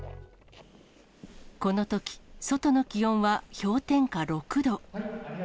このとき、外の気温は氷点下６度。